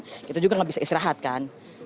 tidak nyaman kita juga tidak bisa istirahat kan